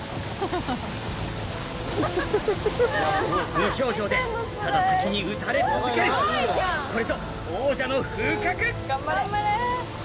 ・無表情でただ滝に打たれ続けるこれぞうわ。